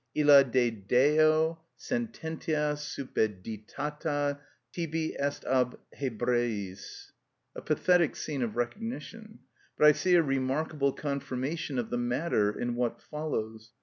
illa de Deo sententia suppeditata tibi est ab Hebræis_). A pathetic scene of recognition. But I see a remarkable confirmation of the matter in what follows.